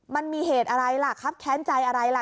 มันมีเหตุอะไรล่ะครับแค้นใจอะไรล่ะ